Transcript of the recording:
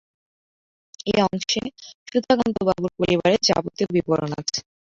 এই অংশে সুধাকান্তবাবুর পরিবারের যাবতীয় বিবরণ আছে।